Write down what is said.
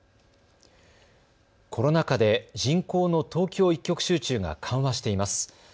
コロナ禍で人口の東京一極集中が緩和しています。